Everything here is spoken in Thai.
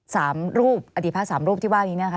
สามรูปอดีตพระสามรูปที่ว่านี้นะคะ